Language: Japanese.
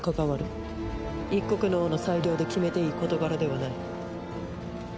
一国の王の裁量で決めていい事柄ではない。